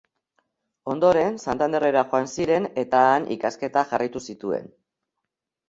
Ondoren, Santanderrera joan ziren eta han ikasketak jarraitu zituen.